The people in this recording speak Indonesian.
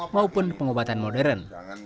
maupun pengobatan modern